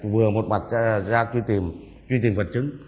vừa một mặt ra truy tìm vật chứng